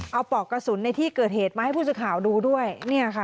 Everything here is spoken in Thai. เอาปอกกระสุนในที่เกิดเหตุมาให้ผู้สื่อข่าวดูด้วยเนี่ยค่ะ